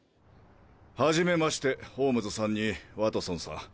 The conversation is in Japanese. はじめましてホームズさんにワトソンさん。